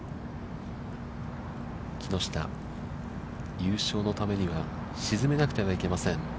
木下、優勝のためには、沈めなくてはいけません。